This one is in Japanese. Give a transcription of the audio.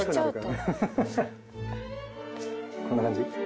こんな感じ。